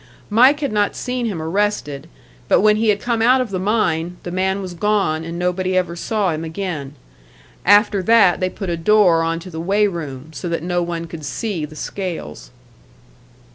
Mike had not seen him arrested, but when he had come out of the mine, the man was gone, and nobody ever saw him again. After that they put a door onto the weigh room, so that no one could see the scales.